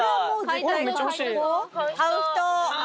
買う人？